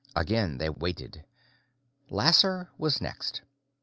Again they waited. Lasser was next.